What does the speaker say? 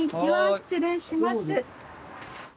失礼します。